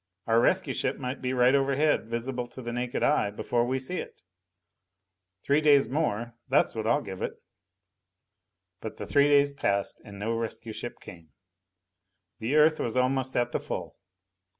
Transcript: Our rescue ship might be right overhead, visible to the naked eye, before we see it. Three days more that's what I'll give it." But the three days passed and no rescue ship came. The Earth was almost at the full.